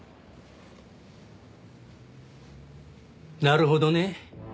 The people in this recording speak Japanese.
なるほどね。